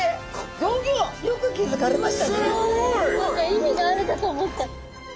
意味があるかと思った。